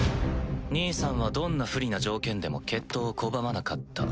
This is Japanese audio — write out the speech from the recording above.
兄さんはどんな不利な条件でも決闘を拒まなかった。